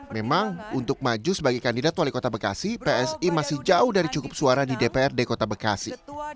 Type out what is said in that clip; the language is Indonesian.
memang untuk maju sebagai kandidat wali kota bekasi psi masih jauh dari cukup suara di dprd kota bekasi